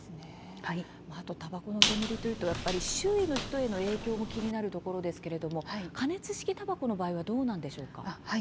あと、たばこの煙というと周囲の人への影響も気になるところですけれども加熱式たばこの場合はどうなんでしょうか。